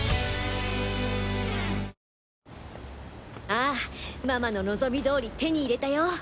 ああっママの望み通り手に入れたよ！